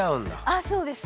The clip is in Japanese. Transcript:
あそうです